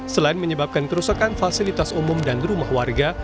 selain menyebabkan kerusakan fasilitas umum dan rumah warga